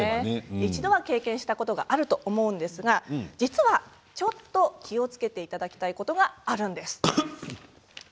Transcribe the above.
一度は経験したことがあると思うんですが実はちょっと気をつけてほしいことがあるんです。